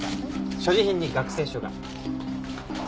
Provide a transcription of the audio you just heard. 所持品に学生証が。